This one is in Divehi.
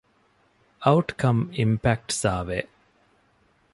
އައުޓްކަމް އިމްޕެކްޓް ސަރވޭ